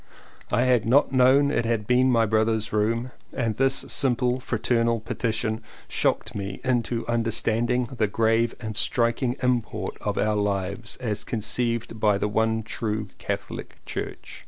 I had not known it had been my brother's room and this simple fraternal petition shocked me into under standing the grave and striking import of our lives as conceived by the one true Catholic Church.